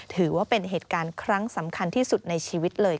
ถือว่าเป็นเหตุการณ์ครั้งสำคัญที่สุดในชีวิตเลย